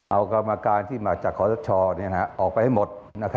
เอากรรมการที่มาจากขอสชออกไปให้หมด